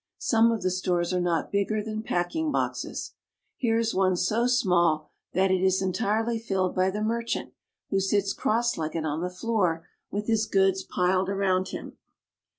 Some of the stores are not bigger than packing boxes. Here is one so small that it is entirely filled by the mer 370 TURKEY. chant, who sits cross legged on the floor, with his goods piled around him.